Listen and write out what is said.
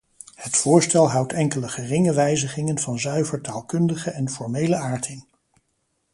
Het voorstel houdt enkele geringe wijzigingen van zuiver taalkundige en formele aard in.